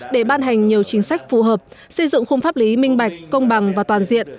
để ban hành nhiều chính sách phù hợp xây dựng khung pháp lý minh bạch công bằng và toàn diện